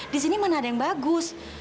disini mana ada yang bagus